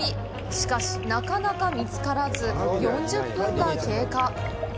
しかし、なかなか見つからず、４０分が経過。